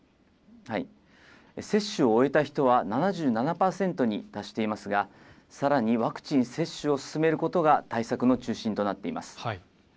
接種を終えた人は７７％に達していますが、さらにワクチン接種を進めることが対策の中心となっています。